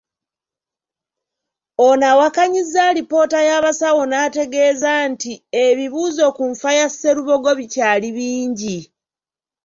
Ono awakanyizza alipoota y’abasawo n’ategeeza nti ebibuuzo ku nfa ya Sserubogo bikyali bingi.